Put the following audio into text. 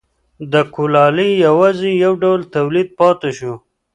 د کولالۍ یوازې یو ډول تولید پاتې شو